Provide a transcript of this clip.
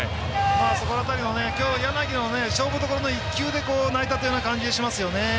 そこの辺りの今日、柳の勝負どころの１球に泣いたところがありますよね。